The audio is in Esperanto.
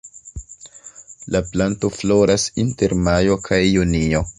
La planto floras inter majo kaj junio.